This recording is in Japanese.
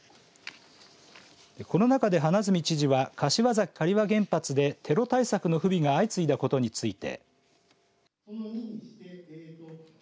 この中で花角知事は柏崎刈羽原発でテロ対策の不備が相次いだことについて。